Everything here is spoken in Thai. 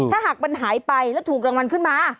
ถ้าหากมันหายไปแล้วถูกรางวัลขึ้นมา